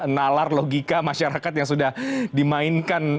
nalar logika masyarakat yang sudah dimainkan